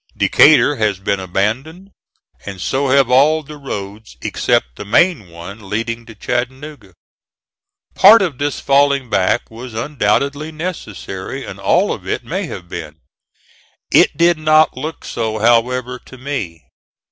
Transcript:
Decatur has been abandoned, and so have all the roads except the main one leading to Chattanooga. Part of this falling back was undoubtedly necessary and all of it may have been. It did not look so, however, to me.